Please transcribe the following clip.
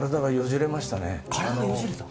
身体がよじれた？